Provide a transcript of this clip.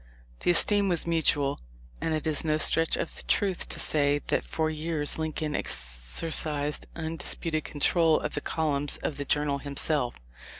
The esteem was mutual, and it is no stretch of the truth to say that for years Lincoln exercised undisputed control of the columns of the Journal himself.